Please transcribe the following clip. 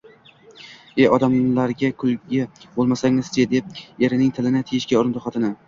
– E, odamlarga kulki bo‘lmasangiz-chi! – deb erining tilini tiyishga urindi xotin